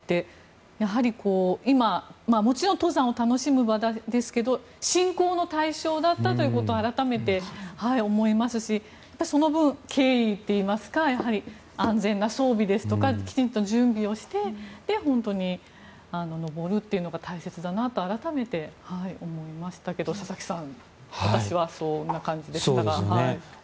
でも、今日、山の日で堂さんに色んな説明をしてもらってやはり、今もちろん登山を楽しむ場ですが信仰の対象だったということを改めて思いますしその分、敬意といいますか安全な装備ですとかきちんと準備をして登るっていうのが大切だなと改めて思いましたけど佐々木さん私はそんな感じでしたが。